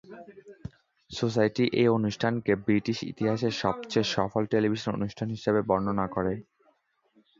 Society এই অনুষ্ঠানকে "British ইতিহাসে সবচেয়ে সফল টেলিভিশন অনুষ্ঠান" হিসেবে বর্ণনা করে।